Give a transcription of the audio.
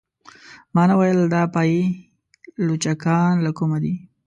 ما نه ویل دا پايي لچکان له کومه دي.